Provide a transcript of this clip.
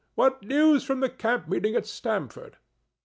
What news from the camp meeting at Stamford?"